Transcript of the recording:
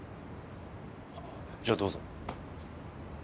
じゃあどうぞ。